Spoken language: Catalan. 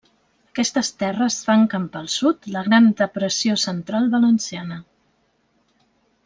Aquestes serres tanquen pel sud la gran Depressió Central Valenciana.